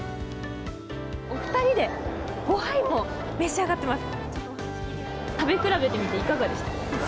お二人で５杯も召し上がっています。